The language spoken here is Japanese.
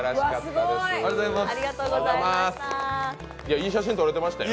いい写真、撮れてましたよ。